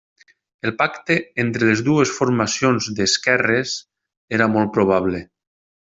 El pacte entre les dues formacions d'esquerres era molt probable.